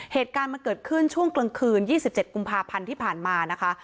เหตุการณ์มันเกิดขึ้นช่วงกลางคืน๒๗กุมภาพันธ์ที่ผ่านมานะคะ